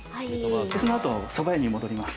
そのあとそば屋に戻ります。